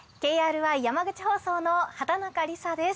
ＫＲＹ山口放送の畑中里咲です。